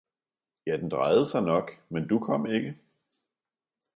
ja den drejede sig nok, men du kom ikke!